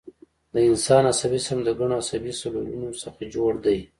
د انسان عصبي سیستم د ګڼو عصبي سلولونو څخه جوړ دی